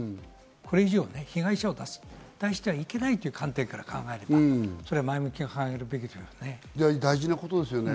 これ以上、被害者を出してはいけないという観点から考えれば、前向きに考えるべきでしょうね。